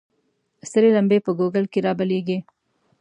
ســـــــرې لمـبـــــې په ګوګـل کــې رابلـيـــږي